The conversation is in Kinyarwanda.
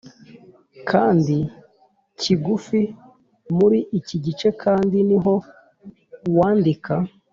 kandi kigufi. Muri iki gice kandi ni ho uwandika